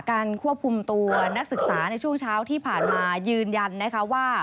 ควบคุมตัวนักศึกษาในช่วงเช้าที่ผ่านมายืนยันนะคะว่า